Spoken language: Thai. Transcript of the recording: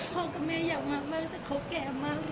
กับแม่อยากมามากแต่เขาแก่มาก